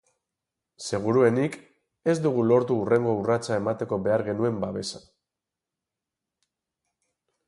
Seguruenik, ez dugu lortu hurrengo urratsa emateko behar genuen babesa.